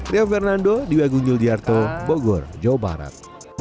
rio fernando di wg yul di harto bogor jawa barat